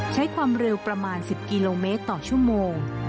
ใช้ความเร็วประมาณ๑๐กิโลเมตรต่อชั่วโมง